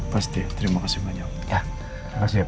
pasti terima kasih banyak